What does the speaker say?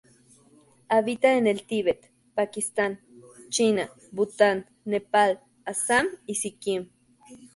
Habita en el Tibet, Pakistán, China, Bután, Nepal, Assam y Sikkim.